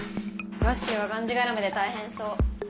ワッシーはがんじがらめで大変そう。